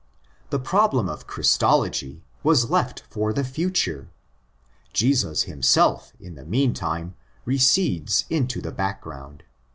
The problem of "" Christology " was left for the future. Jesus himself in the mean time recedes into the background.